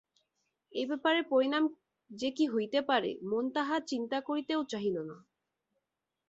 এই ব্যাপারের পরিণাম যে কী হইতে পারে মন তাহা চিন্তা করিতেও চাহিল না।